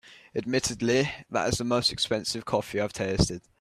Admittedly, that is the most expensive coffee I’ve tasted.